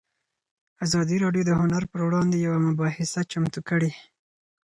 ازادي راډیو د هنر پر وړاندې یوه مباحثه چمتو کړې.